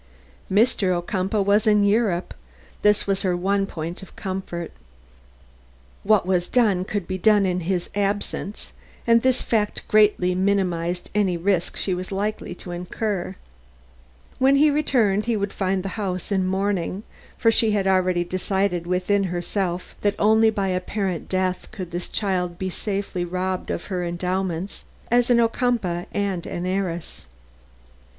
Mr. Ocumpaugh was in Europe. This was her one point of comfort. What was done could be done in his absence, and this fact greatly minimized any risk she was likely to incur. When he returned he would find the house in mourning, for she had already decided within herself that only by apparent death could this child be safely robbed of her endowments as an Ocumpaugh and an heiress.